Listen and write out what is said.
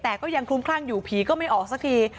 แต่ก็ยังคลุมคลั่งอยู่ผีก็ไม่ออกสักที